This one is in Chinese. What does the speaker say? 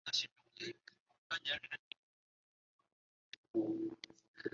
去年的宝马萨伯车队也更名为萨伯车队参与今年的赛事。